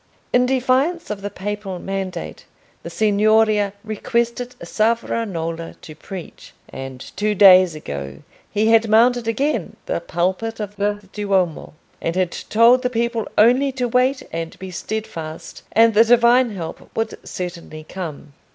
In defiance of the Papal mandate the Signoria requested Savonarola to preach. And two days ago he had mounted again the pulpit of the Duomo, and had told the people only to wait and be steadfast and the divine help would certainly come.